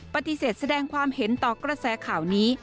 ปฏิเสธแสดงความเห็นต่อกระแสข่าวนี้